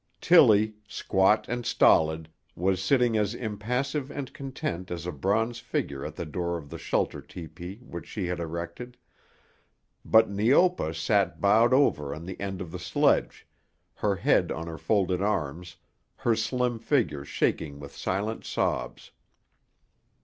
Tillie, squat and stolid, was sitting as impassive and content as a bronze figure at the door of the shelter tepee which she had erected, but Neopa sat bowed over on the end of the sledge, her head on her folded arms, her slim figure shaking with silent sobs.